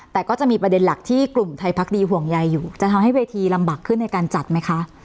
แต่ก็จะมีประเด็นหลักที่กลุ่มไทยพักดีห่วงใยอยู่จะทำให้เวทีลำบากขึ้นในการจัดไหมคะ